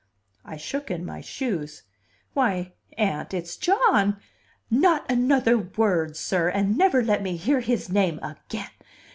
I shook in my shoes. "Why, Aunt, it's John " "Not another word, sir! And never let me hear his name again.